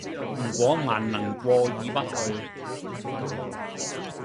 如果還能過意不去，……